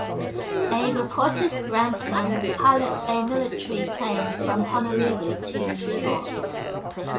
A reporter's grandson pilots a military plane from Honolulu to New York.